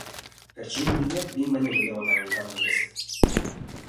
Pertsonen bideak behin baino gehiagotan elkar daitezke.